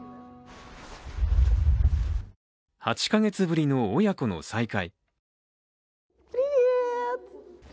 ８か月ぶりの、親子の再会。